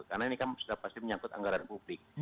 karena ini kan sudah pasti menyangkut anggaran publik